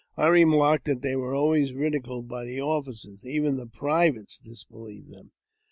I remarked that they were always ridiculed by the officers ; even the privates disbelieved them.